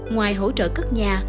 ngoài hỗ trợ cất nhà